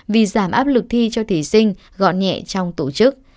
vì giảm áp lực thi cho thí sinh gọn nhẹ trong tổ chức